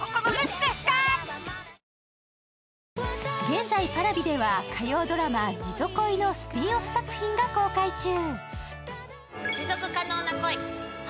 現在Ｐａｒａｖｉでは火曜ドラマ「じぞ恋」のスピンオフ作品が公開中。